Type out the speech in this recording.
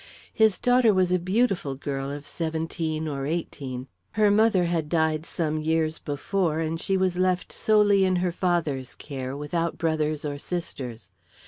His daughter was a beautiful girl of seventeen or eighteen. Her mother had died some years before and she was left solely in her father's care, without brothers or sisters.